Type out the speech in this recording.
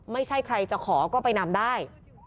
ไม่ใช่ใครจะขอก็ไปนำได้